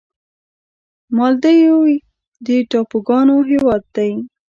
مالدیو یو د ټاپوګانو هېواد دی.